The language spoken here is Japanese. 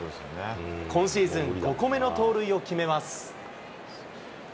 今シーズン５個目の盗塁を決めます。